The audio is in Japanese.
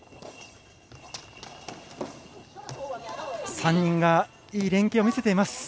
３人がいい連係を見せています。